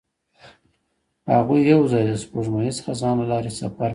هغوی یوځای د سپوږمیز خزان له لارې سفر پیل کړ.